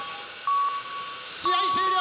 試合終了！